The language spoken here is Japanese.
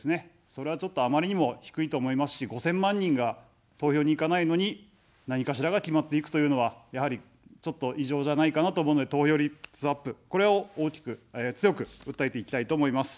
それは、ちょっとあまりにも低いと思いますし、５０００万人が投票に行かないのに何かしらが決まっていくというのは、やはり、ちょっと異常じゃないかなと思うので、投票率アップ、これを大きく、強く訴えていきたいと思います。